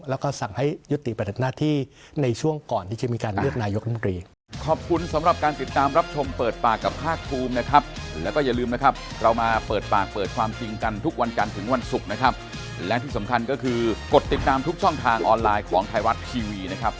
แล้วก็สั่งให้ยุติปฏิบัติหน้าที่ในช่วงก่อนที่จะมีการเลือกนายกรมตรี